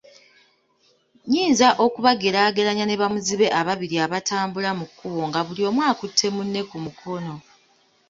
Nnyinza okubageraageranya ne bamuzibe ababiri abatambula mu kkubo nga buli omu akutte munne ku mukono